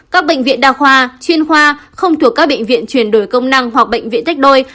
các bệnh viện đa khoa chuyên khoa không thuộc các bệnh viện chuyển đổi công năng hoặc bệnh viện thách đôi